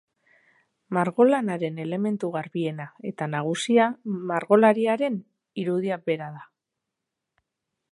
Margolanaren elementu garbiena eta nagusia margolariaren irudia bera da.